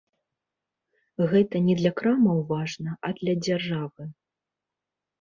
Гэта не для крамаў важна, а для дзяржавы.